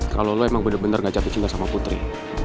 kalau lo emang bener bener gak capek cinta sama putri